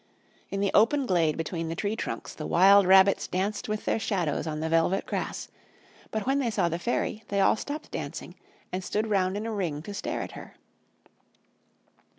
In the open glade between the tree trunks the wild rabbits danced with their shadows on the velvet grass, but when they saw the Fairy they all stopped dancing and stood round in a ring to stare at her.